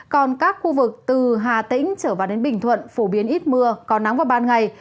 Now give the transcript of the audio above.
còn các khu vực từ hà tĩnh trở vào đến bình thuận phổ biến ít mưa có nắng vào ban ngày